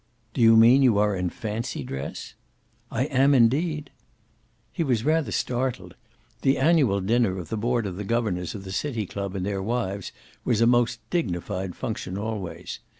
"Do you mean you are in fancy dress?" "I am, indeed." He was rather startled. The annual dinner of the board of governors of the City Club and their wives was a most dignified function always.